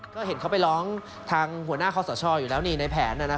ก็เห็นเขาไปร้องทางหัวหน้าคอสชอยู่แล้วนี่ในแผน